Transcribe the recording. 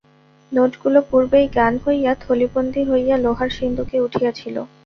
নোটগুলা পূর্বেই গনা হইয়া থলিবন্দি হইয়া লোহার সিন্দুকে উঠিয়াছিল।